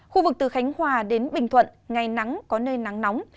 khu vực từ khánh hòa đến bình thuận ngày nắng có nơi nắng nóng